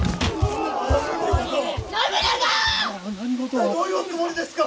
一体どういうおつもりですか！